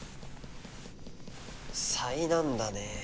災難だね。